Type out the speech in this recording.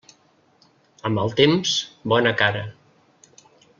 A mal temps, bona cara.